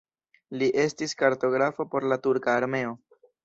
Li estis kartografo por la turka armeo.